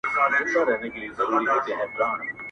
چي زه ویښ وم که ویده وم،